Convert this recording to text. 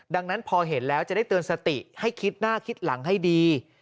ดังนั้นพอเห็นแล้วจะได้เตือนสติให้คิดหน้าคิดหลังให้ดี